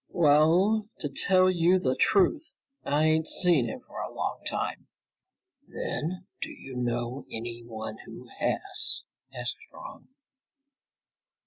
"Well, to tell you the truth, I ain't seen him for a long time." "Then do you know anyone who has?" asked Strong.